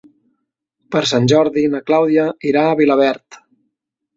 Per Sant Jordi na Clàudia irà a Vilaverd.